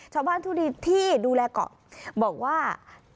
ชาวบ้านทุดีที่ดูแลเกาะบอกว่า